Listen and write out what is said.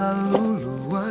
aku akan pergi